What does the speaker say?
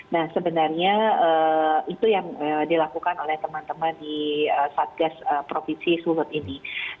nah sebenarnya itu yang dilakukan oleh teman teman di satgas provinsi suhut ini